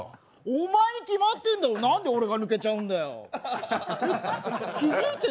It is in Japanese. お前に決まってるんだろ、なんでお前が抜けてんだよ。